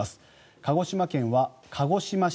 鹿児島県は鹿児島市